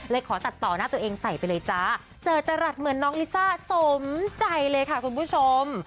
ขอตัดต่อหน้าตัวเองใส่ไปเลยจ้าเจอตลัดเหมือนน้องลิซ่าสมใจเลยค่ะคุณผู้ชม